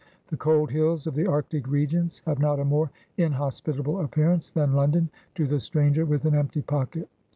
The cold hills of the Arctic regions have not a more inhospitable appearance than London to the stranger with an empty pocket.